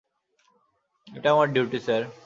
এটা আমার duty, sir.